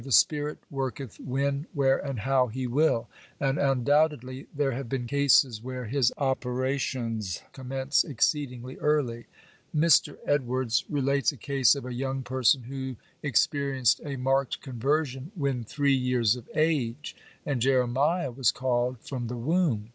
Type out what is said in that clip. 'The Spirit worketh when, where, and how He will; and, undoubtedly, there have been cases where His operations commence exceedingly early. Mr. Edwards relates a case of a young person who experienced a marked conversion when three years of age, and Jeremiah was called from the womb.